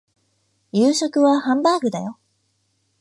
夕食はハンバーグだよ